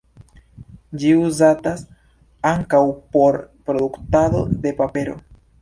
Ĝi uzatas ankaŭ por produktado de papero.